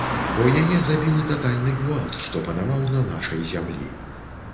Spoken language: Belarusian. Бо яе забіў татальны гвалт, што панаваў на нашай зямлі.